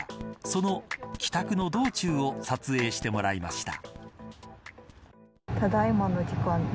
その帰宅の道中を撮影してもらいました。